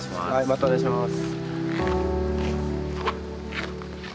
またお願いします。